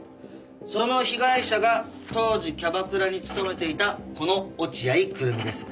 その被害者が当時キャバクラに勤めていたこの落合久瑠実です。